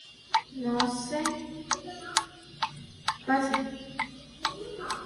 El hotel se iba a llamar originalmente "Park Tower" y posteriormente "Sevilla Tower".